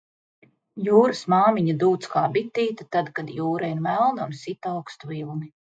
Jūras māmiņa dūc kā bitīte, tad, kad jūra ir melna un sit augstu vilni.